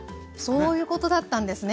そういうことだったんですね。